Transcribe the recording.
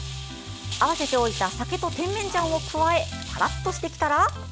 合わせておいた酒と甜麺醤を加えパラっとしてきたら。